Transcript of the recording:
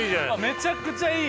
めちゃくちゃいい！